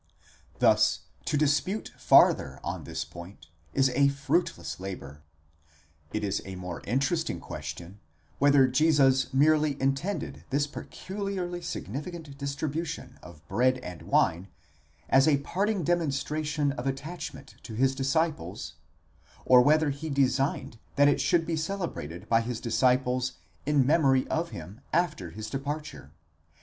Thus to dispute farther on this point is a fruitless labour: it is a more interesting question, whether Jesus merely intended this peculiarly significant distribution of bread and wine as a parting demonstration of attachment to his disciples, or whether he designed that it should be celebrated by his disciples in memory of him after his departure.